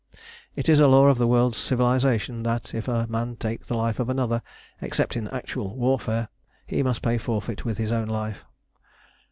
It is a law of the world's civilisation that if a man take the life of another, except in actual warfare, he must pay forfeit with his own life.